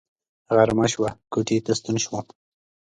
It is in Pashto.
غرمه شوه کوټې ته ستون شوم.